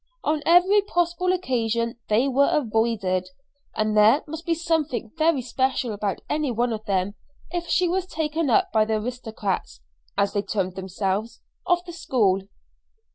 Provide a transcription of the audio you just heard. On every possible occasion they were avoided, and there must be something very special about any one of them if she was taken up by the aristocrats as they termed themselves of the school.